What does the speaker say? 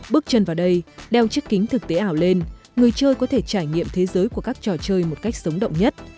bước chân vào đây đeo chiếc kính thực tế ảo lên người chơi có thể trải nghiệm thế giới của các trò chơi một cách sống động nhất